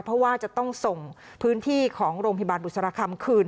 เพราะว่าจะต้องส่งพื้นที่ของโรงพยาบาลบุษรคำคืน